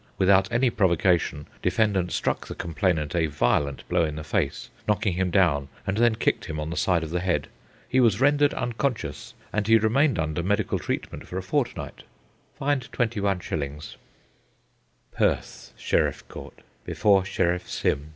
Without any provocation, defendant struck the complainant a violent blow in the face, knocking him down, and then kicked him on the side of the head. He was rendered unconscious, and he remained under medical treatment for a fortnight. Fined 21s. Perth Sheriff Court. Before Sheriff Sym.